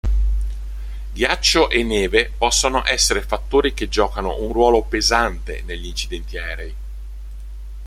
Ghiaccio e neve possono essere fattori che giocano un ruolo pesante negli incidenti aerei.